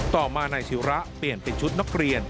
ต่อมานายศิระเปลี่ยนเป็นชุดนักเรียน